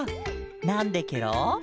なんでケロ？